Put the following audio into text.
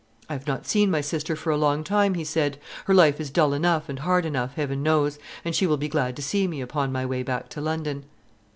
"I have not seen my sister for a long time," he said; "her life is dull enough and hard enough, Heaven knows, and she will be glad to see me upon my way back to London."